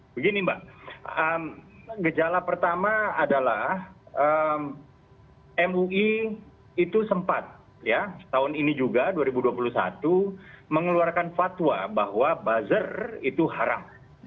begini mbak gejala pertama adalah mui itu sempat ya tahun ini juga dua ribu dua puluh satu mengeluarkan fatwa bahwa buzzer itu haram